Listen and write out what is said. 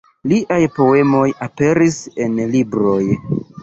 Liaj poemoj aperis en libroj.